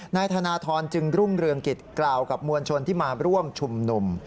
นายธนทรจึงรุ่งเรืองกิจกล่าวกับมวลชนที่มาร่วมชุมนุม